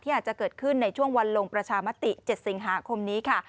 อาจจะเกิดขึ้นในช่วงวันลงประชามติ๗สิงหาคมนี้ค่ะ